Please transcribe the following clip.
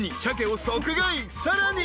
［さらに］